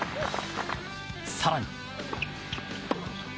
更に。